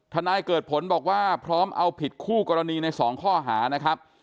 นายเกิดผลบอกว่าพร้อมเอาผิดคู่กรณีใน๒ข้อหานะครับ